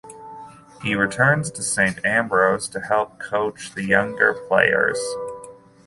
He returns to Saint Ambrose to help to coach the younger players.